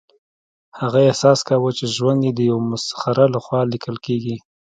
هغه احساس کاوه چې ژوند یې د یو مسخره لخوا لیکل کیږي